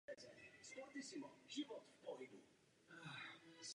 První pochází z místní kroniky.